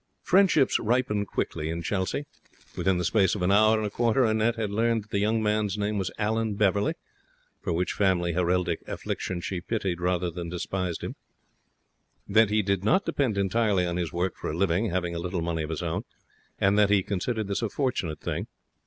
Friendships ripen quickly in Chelsea. Within the space of an hour and a quarter Annette had learned that the young man's name was Alan Beverley (for which Family Heraldic affliction she pitied rather than despised him), that he did not depend entirely on his work for a living, having a little money of his own, and that he considered this a fortunate thing.